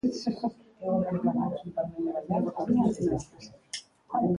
Hego Amerikako ipar-mendebaldean aurki daitezke.